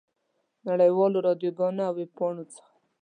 نړۍ والو راډیوګانو او ویبپاڼو څخه.